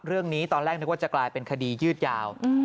เรื่องนี้ตอนแรกนึกว่าจะกลายเป็นคดียืดยาว